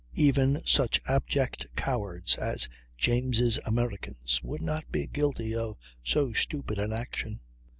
Even such abject cowards as James' Americans would not be guilty of so stupid an action.